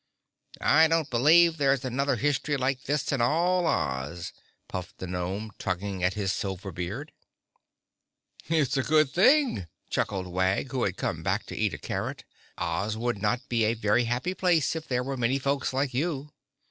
"I don't believe there's another history like this in all Oz," puffed the gnome, tugging at his silver beard. [Illustration: (unlabelled)] "It's a good thing," chuckled Wag, who had come back to eat a carrot. "Oz would not be a very happy place if there were many folks like you."